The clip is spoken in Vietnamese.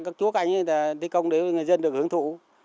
các chúa cạnh thi công để người dân được hưởng thụ